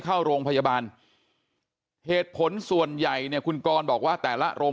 เข้าโรงพยาบาลเหตุผลส่วนใหญ่เนี่ยคุณกรบอกว่าแต่ละโรง